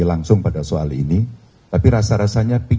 langsung pada soal ini tapi rasa rasanya